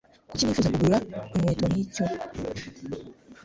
Kuki nifuza kugura ikintu nkicyo?